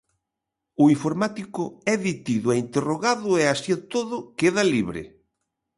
O informático é detido e interrogado e, así e todo, queda libre.